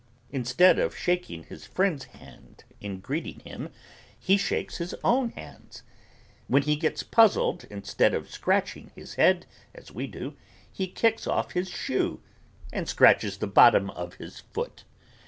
Instead of shaking his friend's hand in greeting him he shakes his own hands. When he gets puzzled instead of scratching his head as we do he kicks off his shoe and scratches the bottom of his foot.